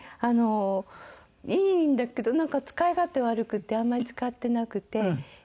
あのいいんだけどなんか使い勝手悪くてあんまり使ってなくて。